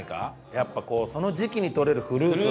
やっぱその時期にとれるフルーツを使った。